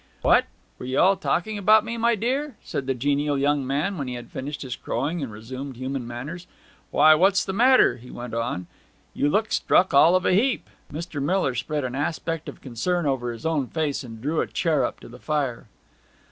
'What were you all talking about me, my dear?' said the genial young man when he had finished his crowing and resumed human manners. 'Why what's the matter,' he went on. 'You look struck all of a heap.' Mr. Miller spread an aspect of concern over his own face, and drew a chair up to the fire.